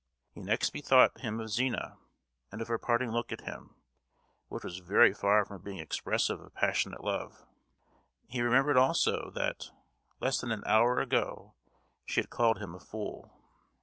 He next bethought him of Zina, and of her parting look at him, which was very far from being expressive of passionate love; he remembered also, that, less than an hour ago she had called him a fool.